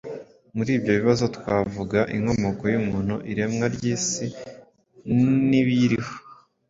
Muri ibyo bibazo twavuga : inkomoko y‟umuntu, iremwa ry‟isi n‟ibiyiriho,